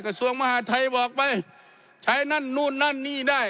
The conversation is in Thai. กระทรวงมหาทัยบอกไปใช้นั่นนู่นนั่นนี่ได้